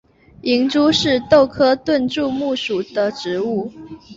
银珠是豆科盾柱木属的植物。